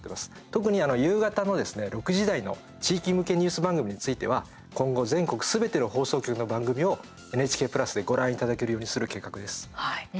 特に夕方の６時台の地域向けニュース番組については今後、全国すべての放送局の番組をＮＨＫプラスでご覧いただけるようにする計画です。